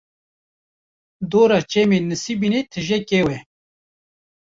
Dora çemê nisêbîne tije kew e.